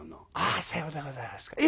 「ああさようでございますか。